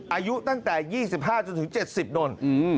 อายุตั้งแต่๒๕จนถึง๗๐โดน